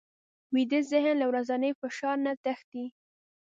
ویده ذهن له ورځني فشار نه تښتي